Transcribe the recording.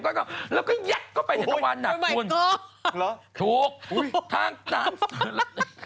คือเขาก็เชื่อกันว่าทางด้านสุรกากร